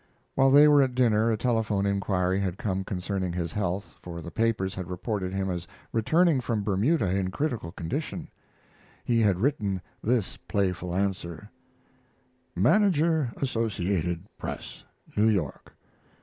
While they were at dinner a telephone inquiry had come concerning his health, for the papers had reported him as returning from Bermuda in a critical condition. He had written this playful answer: MANAGER ASSOCIATED PRESS, New York.